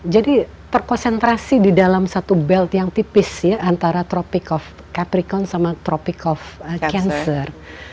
jadi terkonsentrasi di dalam satu belt yang tipis ya antara tropic of capricorn sama tropic of cancer